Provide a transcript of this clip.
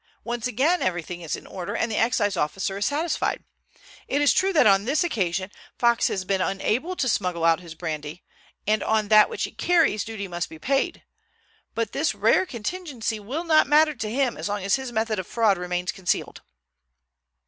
Once again everything is in order, and the Excise officer satisfied. It is true that on this occasion Fox has been unable to smuggle out his brandy, and on that which he carries duty must be paid, but this rare contingency will not matter to him as long as his method of fraud remains concealed."